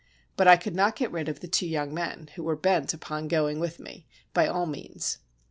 But I could not get rid of the two young men, who were bent upon going 231 FRANCE with me by all means.